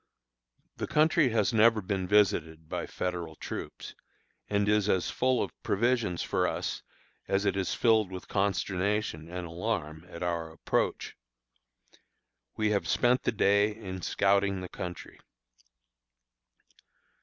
The country has never been visited by Federal troops, and is as full of provisions for us as it is filled with consternation and alarm at our approach. We have spent the day in scouting the country.